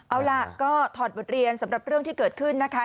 เอาล่ะก็ถอดบทเรียนสำหรับเรื่องที่เกิดขึ้นนะคะ